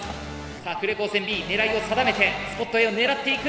さあ呉高専Ｂ狙いを定めてスポットＡを狙っていく。